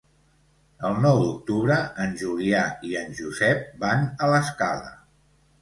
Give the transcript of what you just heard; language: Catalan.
El nou d'octubre en Julià i en Josep van a l'Escala.